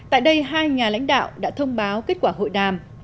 tại đây hai nhà lãnh đạo đã thông báo kết quả hội đàm